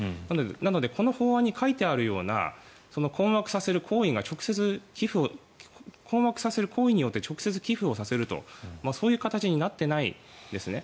なので、この法案に書いてあるような困惑させる行為が直接寄付を困惑させる行為によって直接寄付をさせるとそういう形になっていないですね。